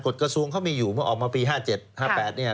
กฎกระทรวงเขามีอยู่เมื่อออกมาปีห้าเจ็ดห้าแปดเนี่ย